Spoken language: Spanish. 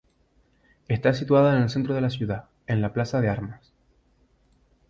Está situada en el centro de la ciudad, en la Plaza de Armas.